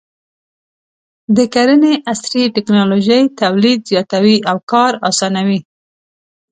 د کرنې عصري ټکنالوژي تولید زیاتوي او کار اسانوي.